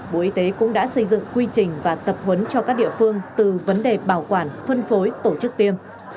bộ y tế cũng đã xây dựng quy trình và tập huấn cho các địa phương từ vấn đề bảo quản phân phối tổ chức tiêm